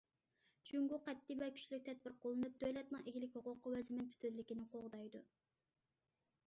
جۇڭگو قەتئىي ۋە كۈچلۈك تەدبىر قوللىنىپ، دۆلەتنىڭ ئىگىلىك ھوقۇقى ۋە زېمىن پۈتۈنلۈكىنى قوغدايدۇ.